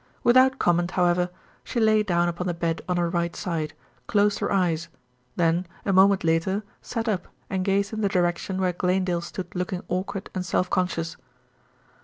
Without comment, however, she lay down upon the bed on her right side, closed her eyes, then a moment later sat up and gazed in the direction where Glanedale stood looking awkward and self conscious.